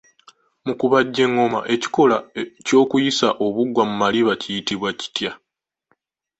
Mu kubajja engoma, ekikolwa ky'okuyisa obugwa mu maliba kiyitibwa kitya?